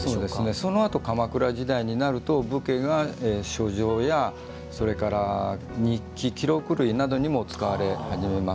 そのあと鎌倉時代になると武家が書状や日記、記録類にも使われ始めます。